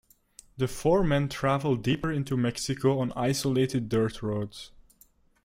The four men travel deeper into Mexico on isolated dirt roads.